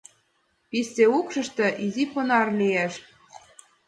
Писте укшышто изи понар лиеш.